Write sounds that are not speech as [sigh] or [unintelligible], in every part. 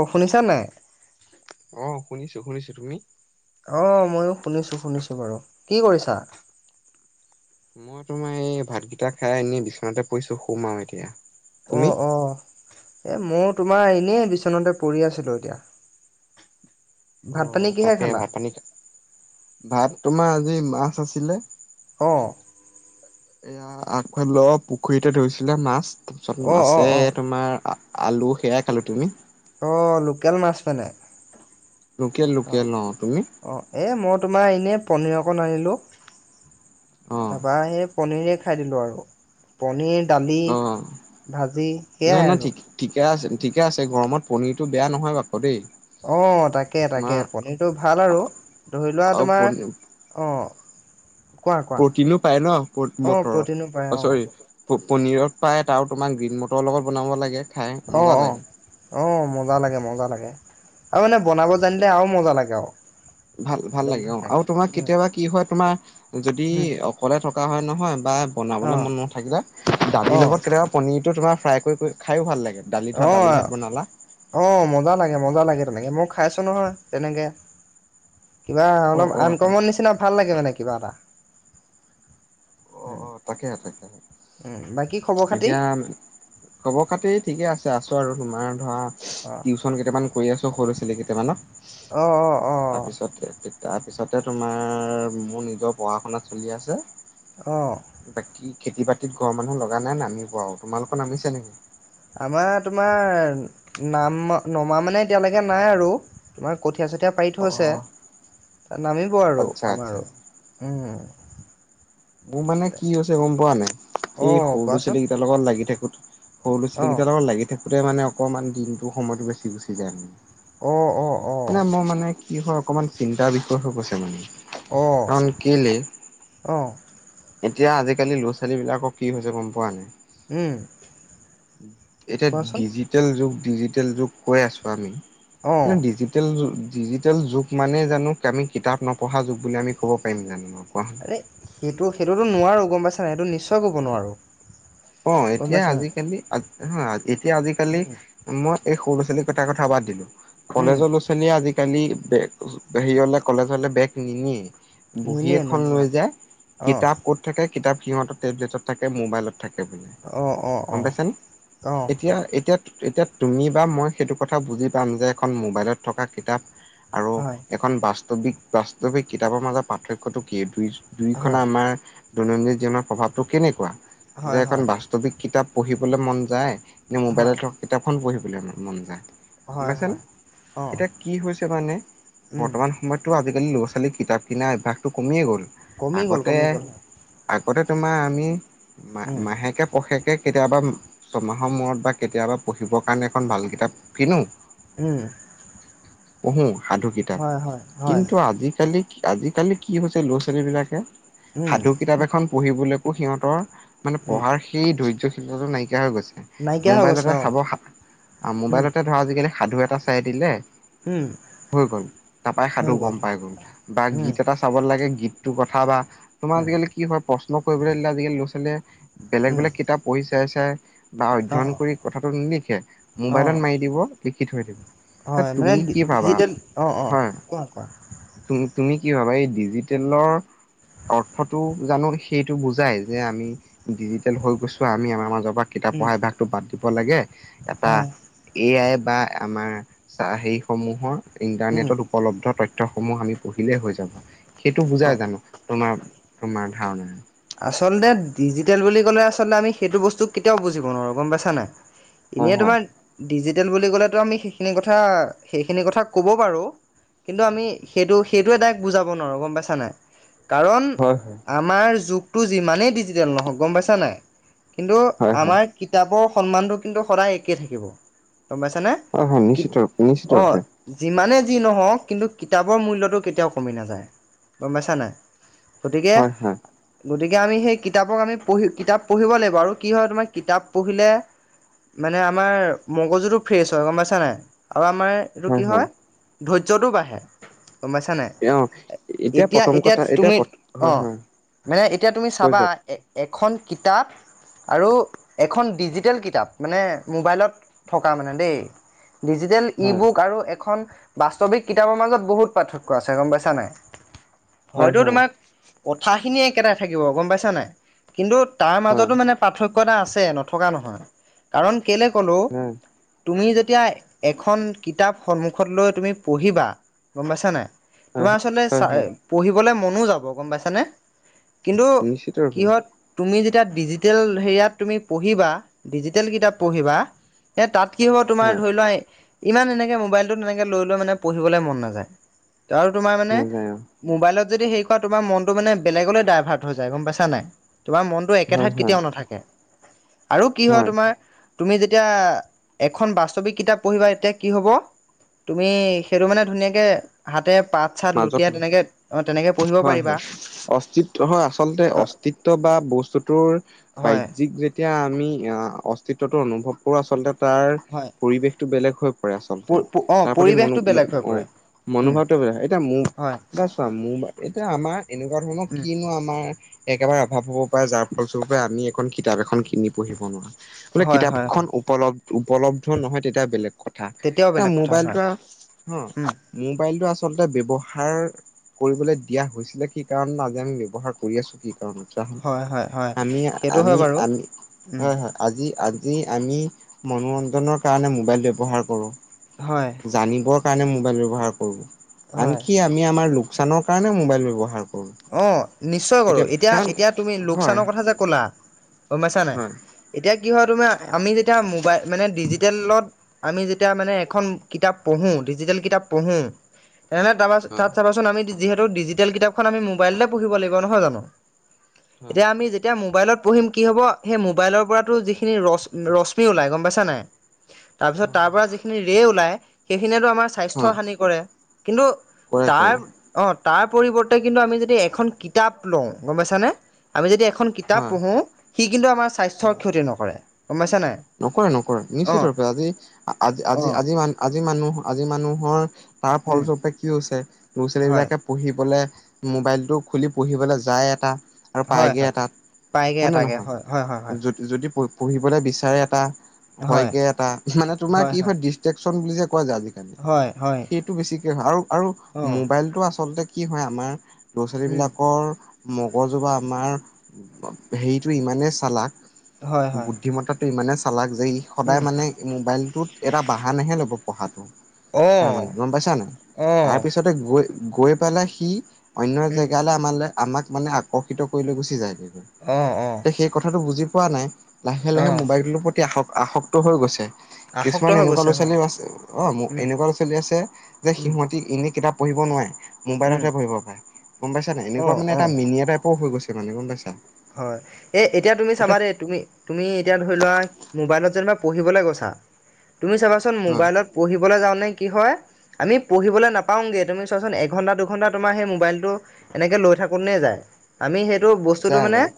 অ শুনিছা নাই। অ', শুনিছোঁ শুনিছোঁ তুমি। অ', ময়ো শুনিছোঁ শুনিছোঁ বাৰু কি কৰিছা। মই তোমাৰ এই ভাতকেইটা খাই এনেই বিছনাতে পৰিছো সুম আৰু এতিয়া অ তুমি অ। এ মই তোমাৰ এনেই বিচনাতে পৰি আছিলো এতিয়া। অ ভাত পানী কিহে তাকে খালা ভাত পানী খা- ভাত তোমাৰ আজি মাছ আছিলে। অ। এয়া আগফালৰ পুখুৰীতে ধৰিছিলে মাছ, তাৰপিছত অ অ মাছে অ তোমাৰ আলু সেয়াই খালো। তুমি? অ লোকেল মাছ মাননে। লোকেল অ লোকেল তুমি অ এ ম তোমাৰ এনে পনিৰ অকন আনিলো অ তাৰাপা এই পনীৰে খাই দিলো আৰু, পনিৰ, দালি, অ ভাজি নাই সেয়াই নাই আৰু ঠিকে আছে, ঠিকে আছে গৰমত পনীৰটো বেয়া নহয় বাপ দেই। অঁ তাকে তাকে তোমাৰ পনীৰটো ভাল আৰু ধৰি লোৱা আৰু তোমাৰ পনী অঁ প্ৰটিনো পায় ন অ প্ৰটিনো পায় মটৰত অ চৰি পনীৰৰ। পায় ত আৰু তোমাক গ্ৰীণ মটৰ লগত বনাব লাগে। খাই অ মজা অ লাগে। অ মজা লাগে, মজা লাগে। আৰু মানে বনাব জানিলে আৰু মজা লাগে আৰু। ভাল-ভাল একদম লাগে অ আৰু ধুনীয়াকে তোমাক কেতিয়াবা কি হয় তোমাৰ যদি উম অকলে থকা হয় নহয় বা বনাবলৈ উম মন নথাকিলে, দালিৰ অ লগত কেতিয়াবা পনীৰটো তোমাৰ ফ্ৰাই কৰি খায়ো ভাল লাগে। দালি ধৰা অ দালি ভাত বনালা অ মজা লাগে মজা লাগে তেনেকে, মই খাইছোঁ নহয় তেনেকৈ। কিবা অ অলপ অ তাক আনকমৰ নিচিনা ভাল লাগে মানে কিবা এটা। অ উম অ তাকে তাকে, উম বাকী খবৰ খাতি এতিয়া খবৰ-খাতি ঠিকে আছে আছো আৰু তোমাৰ ধৰা অ টিউশচন কেইটামান কৰি আছো সৰু চলি কেইটামানক। অ-অ-অ। তাৰপিছতে তাৰপিছতে তোমাৰ মোৰ নিজৰ পঢ়া-শুনা চলি আছে। অ বাকী খেতি -বাতিত ঘৰৰ মানুহ লগা নাই, নামিব আৰু তোমালোকৰ নামিছে নেকি? আমাৰ তোমাৰ নাম নমা মানে এতিয়ালৈকে নাই আৰু তোমাৰ কঠি য়া -চঠিয়া পাৰি অ থৈছে। নামিব আৰু আচ্ছা আচ্ছা আমাৰো উ। মোৰ মানে কি হৈছে গম পোৱা নাই। অ এই সৰু ল'ৰা- কোৱাচোন ছোৱালী কেইটাৰ লগত লাগি থাকোঁতে সৰু অ ল'ৰা-ছোৱালীকেইটাৰ লগত লাগি থাকোতে মানে অকণমান দিনটো সময়তটো বেছি গুচি যায়। অ-অ-অ। মানে মোৰ মানে কি হয় অকণমান চিন্তাৰ বিষয় হৈ গৈছে মানে। কাৰণ কেলে অ--অ। এতিয়া আজিকালি ল'ৰা-ছোৱালী বিলাকক কি হৈছে গম পোৱা নাই? উম এতিয়া কোৱাচোন ডিজিটেল যুগ ডিজিটেল যুগ কৈ আছোঁ আমি। অ কিন্তু ডিজিটেল যুগ ডিজিটেল যুগ মানেই জানো আমি কিতাপ নপঢ়া যুগ বুলি আমি ক'ব পাৰিম জানো। আৰে সেইটো সেইটোতো নোৱাৰো গম পাইছা নাই। সেইটো নিশ্চয় ক'ব নোৱাৰো অ', গম এতিয়া পাইছা নাই আজিকালি, নহয়। এতিয়া আজিকালি উম মই এই সৰু ল'ৰা-ছোৱালী কেইটাৰ কথা বাদ দিলোঁ। উম কলেজৰ ল'ৰা-ছোৱালীয়ে আজিকালি বেগ হেৰি হ'লে কলেজৰলৈ বেগ নিনিয়ে। বহী নিনিয়ে এখন নিনিয়ে লৈ যায়। অ কিতাপ ক'ত থাকে? কিতাপ সিহঁতৰ টেবলেটত থাকে, মোবাইলত থাকে মানে অ অ অ গম পাইছনে? অ এতিয়া, এতিয়া এতিয়া তুমি বা মই সেইটো কথা বুজি পাম, যে এখন মোবাইলত থকা কিতাপ আৰু হয় এখন বাস্তৱিক বাস্তৱিক কিতাপৰ মাজত পাৰ্থক্যতটো কি বুই দুয়োখন হয় আমাৰ দৈনন্দিন জীৱনৰ প্ৰভাৱটো কেনেকুৱা? হয় যে হয় এখন বাস্তৱিক কিতাপ পঢ়িবলৈ মন যায়। নে হয় মোবাইলত থকা কিতাপখন পঢ়িবলৈ মন যায়। গম হয় পাইছানে? হয় অ এতিয়া কি হৈছে মানে, উম বৰ্তমান সময়তটো আ আজিকালি ল'ৰা-ছোৱালীৰ কিতাপ কিনাৰ অভ্যাসটো কমিয়েই গ'ল। কমি গ'ল আগতে কমি গ'ল আগতে তোমাৰ আমি উম মাহেকে-পষেকে কেতিয়াবা, ছমাহৰ মূৰত বা কেতিয়াবা পঢ়িবৰ কাৰণে এখন ভাল কিতাপ কিনো। উম। পঢ়ো সাধু কিতাপ, হয় হয় হয় কিন্তু আজিকালি আজিকালি কি হৈছে ল'ৰা ছোৱালীবিলাকে উম সাধু কিতাপ এখন পঢ়িবলৈকো সিহঁতৰ মানে উম পঢ়াৰ সেই ধৈৰ্যশীলতাটো নাই কিয়া হৈ গৈছে, নাইকিয়া হৈ গৈছে মোবাইলতে অ সাব সা-, উম মোবাইলতে ধৰা আজিকালি সাধু এটা চাই দিলে। উম হৈ গ'ল তাৰপৰাই সাধু গ'ম পাই গ'ল বা উম গীত এটা চাব লাগে গীতটো কথা বা তোমাৰ উম আজিকালি কি হয় প্ৰশ্ন কৰিবলৈ দিলে আজিকালিৰ ল'ৰা ছোৱালীয়ে বেলেগ উম বেলেগ কিতাপ পঢ়ি চাই চাই বা অ অধ্যয়ন কৰি কথাটো নিলিখে, অ মোবাইলত মাৰি দিব লিখি থৈ দিব। এ হয় মানে তুমি কি ভাবা? ডিজিটেল অ অ হয় কোৱা কোৱা তুমি তুমি কি ভাবা, এই ডিজিটেলৰ অৰ্থটো জানো সেইটো বুজাই যে আমি ডিজিটেল হৈ গৈছোঁ আমি আমাৰ মাজৰ পৰা কিতাপ উম পঢ়া অভ্যাসটো বাদ দিব লাগে, এটা হয় এ আই বা আমাৰ চা সেই সমূহৰ উম ইন্টাৰনেটত উপলব্ধ তথ্যসমূহ আমি পঢ়িলেই হৈ যাব। সেইটো অ বুজাই জানো, তোমাৰ তোমাৰ ধাৰণাৰে। আচলতে ডিজিটেল বুলি ক'লে আচলতে আমি সেইটো বস্তু কেতিয়াও বুজিব নোৱাৰো গ'ম পাইছা নাই। হয় এনেই হয় তোমাৰ ডিজিটেল বুলি ক'লেটো আমি সেইখিনি কথা, সেইখিনি কথা ক'ব পাৰোঁ। কিন্তু আমি সেইটো সেইটোৱে ডাইৰেক্ট বুজাব নোৱাৰোঁ গ'ম পাইছা নাই? কাৰণ হয় হয় আমাৰ যুগটো যিমানেই ডিজিটেল নহওঁক, গ'ম পাইছা নাই। কিন্তু হয় হয় আমাৰ কিতাপৰ সন্মানটো কিন্তু সদায় একেই থাকিব। গ'ম পাইছ নে? হয় হয় কি- নিশ্চিত ৰূপে নিশ্চিত অ' ৰূপে যিমানে যি নহওঁক কিন্তু কিতাপৰ মূল্যটো কেতিয়াও কমি নাযায়, গ'ম পাইছা নাই। গতিকে হয় হয়। গতিকে আমি সেই কিতাপক আমি পঢ়ি কিতাপ পঢ়িব লাগিব আৰু কি হয় তোমাৰ কিতাপ পঢ়িলে মানে আমাৰ মগজুটো ফ্ৰেছ হয় গম পাইছা নাই। আৰু আমাৰ এইটো কি হয়, ধৈৰ্যটো বাঢ়ে। গ'ম পাইছা নাই, অ এতিয়া প্ৰথম এতিয়া কথা তুমি হয় অ'। হয় মানে এতিয়া তুমি কৈ চাবা যাওক এ এখন কিতাপ আৰু এখন ডিজিটেল কিতাপ মানে মোবাইলত থকা মানে দেই। ডিজিটেল ই হয় বুক আৰু এখন বাস্তৱিক কিতাপৰ মাজত বহুত পাৰ্থক্য আছে গ'ম পাইছা নাই, হয় হয়তো হয় তোমাক কথাখিনিয়ে একেটাই থাকিব গ'ম পাইছা নাই, কিন্তু তাৰ হয় মাজতো মানে পাৰ্থ [unintelligible] এটা আছে নথকা নহয়, কাৰণ কেলে ক'লো, হয় তুমি যে এতিয়া এখন কিতাপ সন্মুখত লৈ তুমি পঢ়িবা গ'ম পাইছা নাই। হয় তোমাৰ আচলতে হয় চা- হয় পঢ়িবলে মনো যাব গ'ম পাইছানে। কিন্তু নিশ্চিত ৰূপে কিঁহত তুমি যে [unintelligible] ডিজিটেল হেৰিয়াত তুমি পঢ়িবা ডিজিটেল কিতাপ পঢ়িবা, তাত কি হ'ব তোমাৰ হয় ধৰি লোৱা, ইমান এনেকৈ মোবাইলটোত এনেকৈ লৈ লৈ মানে পঢ়িবলৈ মন নাযায়। আৰু তোমাৰ মানে, নাযায় অ মোবাইলত যদি হেৰি কৰা তোমাৰ মনটো মানে বেলেগলৈ ডাইভাৰ্ট হৈ যায় গ'ম পাইছা নাই তোমাৰ মনটো একে হয় ঠাইত হয় কেতিয়াও নাথাকে। আৰু কি হয় তোমাৰ তুমি যেতিয়া এখন বাস্তৱিক কিতাপ পঢ়িবা এতিয়া কি হ'ব। তুমি সেইটো মানে ধুনীয়াকে হাতে পাত চাত মাজত লুটিয়াই তেনেকে অ' তেনেকে পঢ়িব হয় হয় পাৰিবা। অস্তিত্ব হয় আচলতে অ অস্তিত্ব বা বস্তুটোৰ হয় বাহ্যিক যেতিয়া আমি অ' অস্তিত্বতো অনুভৱ কৰো আচলতে তাৰ হয় পৰিৱেশটো বেলেগ হৈ পৰে আচলতে। অ তাৰ প্ৰতি মনো পৰিৱেশটো বেলেগ ম-ম- হৈ পৰে অ' উম মনোভাৱটো এই এতিয়া মোক হয় চোৱা মোৰ এতিয়া আমাৰ এনেকুৱা ধৰণৰ উম কিনো আমাৰ একেবাৰে অভাৱ হ'ব পাৰে যাৰ ফলস্বৰূপে আমি এখন কিতাপ এখন কিনি পঢ়িব নোৱাৰা, বোলে হয় হয় কিতাপখন হয় উপল উপলব্ধ নহয় তেতিয়া বেলেগ কথা তেতিয়াও এ, বেলেগ কথা মোবাইলটো হয় আৰু আ, উম মোবাইলটো আছে ত' ব্যৱহাৰ কৰিবলৈ দিয়া হৈছিলে কি কাৰণ নাজানো, ব্যৱহাৰ কৰি আছোঁ কি কাৰণত হয় হয় হয় আমি সেইটো হয় আমি বাৰু আমি, উম হয় হয় আজি আজ যি আমি মনোৰঞ্জনৰ কাৰণে মোবাইল ব্যৱহাৰ কৰোঁ। হয় জানিব কাৰণে মোবাইল ব্যৱহাৰ কৰোঁ, হয় আনকি আমি আমাৰ লোকচানৰ কাৰণেও মোবাইল ব্যৱহাৰ কৰোঁ। অ' নিশ্চয় কৰোঁ, এতিয়া এতিয়া তুমি হয় লোকচানৰ কথা যে ক'লা পাইছা নাই, হয় এতিয়া কি হয় তুমি আমি যেতিয়া মোবাইল মানে ডিজিটেলত আমি যেতিয়া মানে এখন কিতাপ পঢ়োঁ ডিজিটেল কিতাপ পঢ়ো তেনে তাৰপা হয় তাত চাবাচোন আমি যিহেতু ডিজিটেল কিতাপখন আমি মোবাইলতে পঢ়িব লাগিব নহয় জানো? এতিয়া আমি যেতিয়া মোবাইলত পঢ়িম কি হ'ব, সেই মোবাইলৰ পৰাতো যিখিনি ৰ-ৰশ্মি ওলাই গম পাইছা নাই? তাৰপিছত হয় তাৰপা যিখিনি ৰে ওলাই সেইখিনিয়েতো আমাৰ স্বাস্থ্য হয় হানি কৰে কিন্তু কৰে কৰে তাৰ অ' তাৰ পৰিৱৰ্তে কিন্তু আমি যদি এখন কিতাপ লওঁ, গম পাইছা নে আমি যদি এখন কিতাপ হয় পঢ়ো সি কিন্তু আমাৰ হয় স্বাস্থ্যৰ ক্ষতি নকৰে। গম পাইছা নাই নকৰে নকৰে অ নিশ্চিত ৰূপে, আজি আজি অ আজি আজি ম আজি মানুহ আজি মানুহৰ তাৰ উম ফলস্বৰূপে কি হৈছে ল'ৰা হয় ছোৱালীবিলাকে পঢ়িবলে মোবাইলটো খুলি পঢ়িবলৈ যায় এটা আৰু হয় পায়গে হয় এটাত। পায়গে হয় নে এটাকে নহয় হয় হয় হয় যদি পঢ়িবলৈ বিচাৰে এটা হয় হয়গে এটা, মানে তোমাৰ কি হয় ডিষ্ট্ৰেকচন বুলি যে কোৱা যায় আজিকালি, হয় হয় সেইটো বেছিকে হয় আৰু আৰু অ মোবাইলটো আচলতে কি হয় আমাৰ ল'ৰা উম ছোৱালীবিলাকৰ মগজু বা আমাৰ হেৰিটো ইমানেই চালাক হয় হয় বুদ্ধিমত্তাটো ইমানে চালাক যে ই সদায় উম মানে মোবাইলটোত এটা বাহানেহে ল'ব পঢ়াটো অ তাৰমানে গম পাইছা নাই? অ তাৰপিছতে গৈ গৈ পেলাই সি অন্য উম জেগালৈ আমালৈ আমাক মানে আকৰ্ষিত কৰিলে গুচি যায়। অ অ এতিয়া সেই কথাটো বুজি পোৱা নাই, লাহে অ লাহে মোবাইলটো আহক আসক্ত হৈ গৈছে। আসক্ত কিছুমান হৈ এনেকুৱা গৈছে হয় ল'ৰা-ছোৱালীও আছে, অ' উম এনেকুৱা ল'ৰা ছোৱালী আছে যে উম সিহঁতি এনে কিতাপ পঢ়িব নোৱাৰে, উম মোবাইলতে পঢ়িব পাৰে, গম পাইছা নাই? এনেকুৱা অ', মানে এটা অ', মিনিয়া টাইপ সক হৈ গৈছে মানে, গম পাইছা? হয়। এ, এতিয়া তুমি চাবা দেই, তুমি তুমি এতিয়া ধৰি লোৱা মোবাইলত যেনিবা পঢ়িবলৈ গৈছা, তুমি চাবাচোন হয় মোবাইলত পঢ়িবলৈওঁ যাওঁতে কি হয়, আমি পঢ়িবলৈ নাপাওঁগে তুমি চোৱাচোন এঘন্টা দুঘন্টা তোমাৰ সেই মোবাইলটো এনেকে লৈ থাকোঁতেই যায়, আমি সেইটো বস্তুটো যায় মানে যায়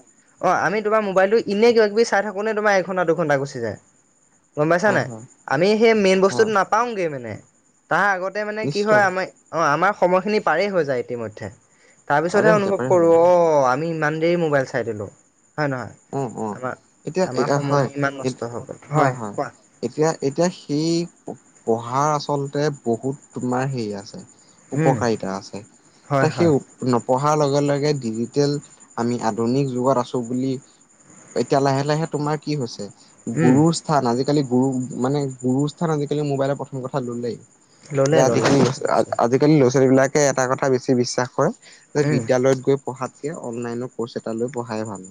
অ' আমি তোমাৰ মোবাইলটো এনেই কিবা কিবি চাই থাকোঁতে তোমাৰ এঘণ্টা, দুঘণ্টা গুচি যায়। গম পাইছা হয় নাই? হয় আমি সেই মেইন বস্তুটো হয় নাপাওঁগৈ মানে। তাৰ আগতে মানে কি নিশ্চিত। হয়, আমাৰ অ' আমাৰ সময়খিনি পাৰেই হৈ যায় ইতিমধ্যে। তাৰ পাৰে পিছতহে হৈ যায় অনুভৱ পাৰে হৈ কৰোঁ যায় অ' আমি ইমান দেৰি মোবাইল চাই দিলোঁ। হয় নহয় অ অ আমাৰ এতিয়া এ আমাৰ হয় সময় ইমান এ নষ্ট হৈ' গ'ল। হয় কোৱা? এতিয়া এতিয়া সেই পঢ়াৰ আচলতে বহুত তোমাৰ হেৰি আছে উম উপকাৰিতা আছে। হয় ত' সেই হয় ন অহাৰ লগে লগে ডিজিটেল আমি আধুনিক যুগত আছোঁ বুলি এতিয়া লাহে লাহে তোমাৰ কি হৈছে উম গুৰুৰ স্থান আজি আজিকালি গুৰু মানে গুৰুৰ স্থান আজিকালি মোবাইলত প্ৰথম কথা ললেই। ল'লে যে ল'লে আজিকালি নিশ্চয় আজিকালি ল বিলাকে এটা কথা বেছি বিশ্বাস কৰে যে উম বিদ্যালয়ত গৈ পঢ়াতকে অনলাইনত কৰ্চ এটা লৈ পঢ়াই ভাল।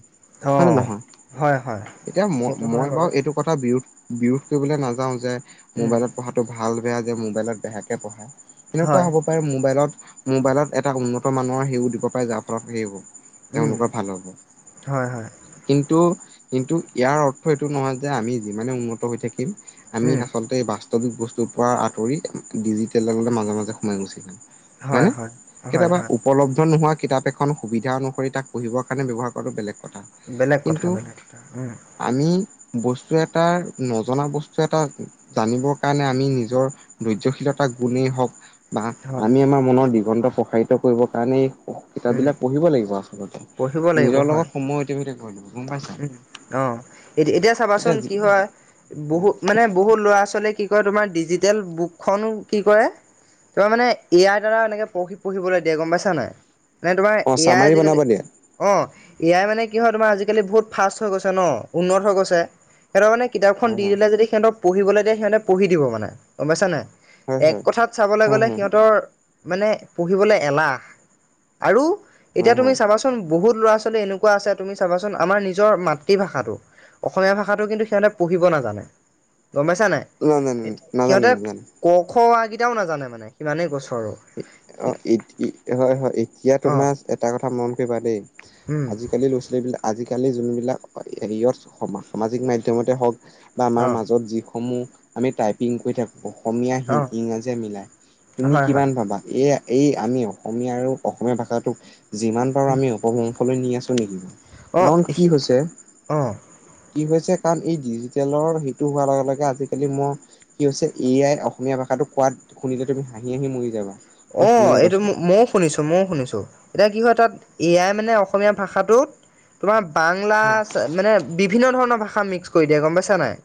অঁ হয় নে নহয়? হয় হয় এতিয়া মই সেইটো হয় মই বাৰু এইটো কথা বিৰোধ বিৰোধ কৰিবলৈ নাযাওঁ যে উম মোবাইলত পঢ়াটো ভাল বেয়া যে মোবাইলত বেয়াকে পঢ়ায় এনেকুৱা হয় হ'ব পাৰে মোবাইলত, মোবাইলত এটা উন্নত মানৰ সেও দিব পাৰে যাৰ ফলত সেইবোৰ উম তেওঁলোকৰ ভাল হ'ব। হয় হয় কিন্তু কিন্তু ইয়াৰ অৰ্থ এইটো নহয় যে আমি যিমানে উন্নত হৈ থাকিম আমি উম আচলতে এই বা বাস্তৱিক বস্তুৰ পৰা আঁতৰি ডিজিটেললে মাজে মাজে সোমাই গৈছিলে। হয় হয়নে? হয় হয় কেতিয়াবা হয় উপলব্ধ নোহোৱা কিতাপ এখন সুবিধা অনুসৰি তাক পঢ়িবৰ কাৰণে ব্যৱহাৰ কৰাটো বেলেগ কথা। বেলেগ কথা কিন্তু বেলেগ কথা উম আমি বস্তু এটাৰ নজনা বস্তু এটা জানিবৰ কাৰণে আমি নিজৰ ধৈৰ্যশীলতাক গুণেই হওঁক বা হয় আমি আমাৰ মনৰ দিগন্ত প্ৰসাৰিত কৰিবৰ কাৰণে উম কিতাপবিলাক পঢ়িব লাগিব আচলতে। পঢ়িব লাগিব নিজৰ হয় লগত সময় অতিবাহিত গম পাইছা উম, অ', এতিয়া চাবাচোন কি হয়। বহুত মানে বহুত ল'ৰা-ছোৱালীয়ে কি কৰে তোমাৰ ডিজিটেল বুকখনো কি কৰে তোমাৰ মানে এ আই দ্বাৰা এনেকে পঢ়ি পঢ়িবলৈ দিয়ে গম পাইছানে নাই? মানে তোমাৰ অ এ আই চামাৰি বনাব আজিকালি দিয়ে অ', এ আই মানে কি হয় তোমাৰ আজি কালি বহুত ফাষ্ট হৈ গৈছে ন, উন্নত হৈ গৈছে, সিহঁতৰ মানে কিতাপখন হয় দি হয় দিলে যদি সিহঁতক পঢ়িবলৈ দিয়ে সিহঁতে পঢ়ি দিব মানে গম পাইছানে নাই? হয় এক হয় কথাত চাবলৈ হয় গ'লে হয় সিহঁতৰ মানে পঢ়িবলৈ এলাহ আৰু হয় এতিয়া তুমি হয় চাবাচোন বহুত ল'ৰা-ছোৱালী এনেকুৱা আছে তুমি চাবাচোন আমাৰ নি নিজৰ মাতৃভাষাটো, অসমীয়া ভাষাটো কিন্তু সিহঁতে পঢ়িব নাজানে। গম পাইছানে নাই? নাজানো নাজানো সিহঁতে নাজানো ক, খ, অ, আ কেইটাও নাজানে মানে সিমানেই কৈছোঁ। অ', এতি হয় হয়। এতিয়া অ তোমাৰ এটা কথা মন কৰিবা দেই। উম আজিকালি ল'ৰা-ছোৱালীবিলাক আজিকালি যোনবিলাক হেৰিয়ত সামাজিক মাধ্যমতে হওঁক বা আমাৰ অ মাজত যিসমূহ আমি টাইপিং কৰি থাকো অসমীয়া, অ ইংৰাজীয়ে মিলাই তুমি হয় হয় কিমান পাবা? এ আই এই আমি অসমীয়া আৰু অসমীয়া ভাষাটোক যিমান পাৰোঁ আমি উপবংশলৈ নি আছোঁ নেকি? কাৰণ অ', কি হৈছে অ'। কি হৈছে, কাৰণ এই ডিজিটেলৰ সিটো হোৱাৰ লগে লগে আজিকালি মোৰ কি হৈছে এ আই অসমীয়া ভাষা তো কোৱাত শুনিলে তুমি হাঁহি হাঁহি মৰি যাবা। মই অ', সিমানে এইটো কৈছো ময়ো শুনিছো, ময়ো শুনিছো। এতিয়া কি হয় তাত এ আই মানে অসমীয়া ভাষাটোত তোমাৰ বাংলা আছে। মানে বিভিন্ন ধৰণৰ ভাষা মিক্স কৰি দিয়ে গম পাইছানে নাই?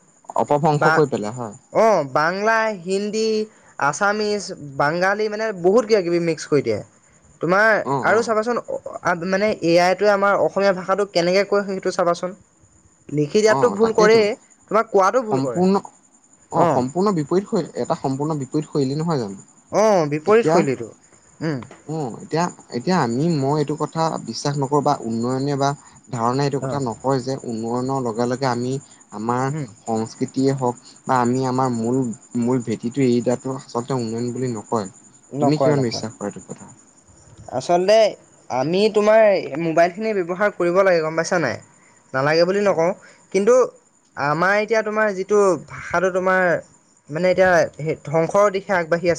অপভ্ৰংশ বা কৰি পেলাই হয় অ', বাংলা, হিন্দী হিন্দী, আছামিছ, বাংঙালী মানে বহুত কিবা-কিবি মিক্স কৰি দিয়ে। তোমাৰ অ অ আৰু চাবাচোন অ' মানে এ আইটোৱে আমাৰ অসমীয়া ভাষাটো কেনেকৈ কয় সেইটো চাবাচোন। লিখি অ দিয়াতটো ভূল তাকেইতো কৰেই তোমাৰ কোৱাটো ভূল কৰে। সম্পূৰ্ণ অ', অঁ সম্পূৰ্ণ বিপৰীত শৈলী, এটা সম্পূৰ্ণ বিপৰীত শৈলী নহয় জানো? অঁ বিপৰীত এতিয়া শৈলীটো উম, এতিয়া এতিয়া আমি মই এইটো কথা বিশ্বাস নকৰোঁ, বা উন্নয়নে বা ধাৰণায়ে এইটো কথা অঁ নকয় যে উন্নয়নৰ লগে লগে আমি আমাৰ সংস্কৃতি যিয়ে হওঁক বা আমি আমাৰ মূল মূল ভেঁটিটো এৰি দিয়াটো আচলতে উন্নয়ন বুলি নকয়। তুমি নকয় কিমান নকয়। বিশ্বাস কৰা এইটো কথা আচলতে আমি তোমাৰ মোবাইলখিনি ব্যৱহাৰ কৰিব লাগে। গম পাইছানে নাই? নালাগে বুলি হয় নকওঁ। কিন্তু আমাৰ এতিয়া তোমাৰ যিটো ভাষাটো তোমাৰ মানে এতিয়া ধ্বংসৰ দিশে আগবাঢ়ি আছে।